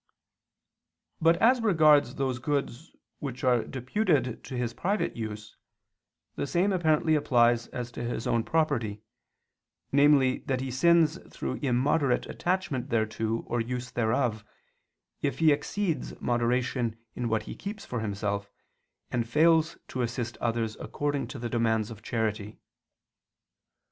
But as regards those goods which are deputed to his private use, the same apparently applies as to his own property, namely that he sins through immoderate attachment thereto or use thereof, if he exceeds moderation in what he keeps for himself, and fails to assist others according to the demands of charity.